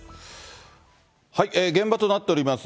現場となっております